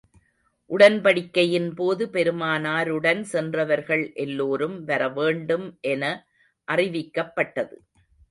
உடன்படிக்கையின் போது, பெருமானாருடன் சென்றவர்கள் எல்லோரும் வர வேண்டும் என அறிவிக்கப்பட்டது.